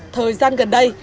thời gian gần đây